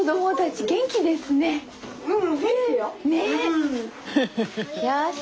よし！